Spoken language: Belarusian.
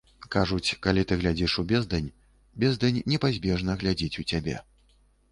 Кажуць, калі ты глядзіш у бездань, бездань непазбежна глядзіць у цябе.